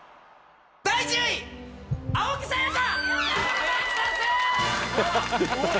第１０位青木さやか！